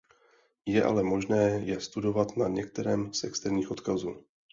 Je ale možné je studovat na některém z externích odkazů.